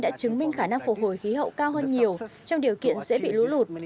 đã chứng minh khả năng phổ hồi khí hậu cao hơn nhiều trong điều kiện dễ bị lũ lụt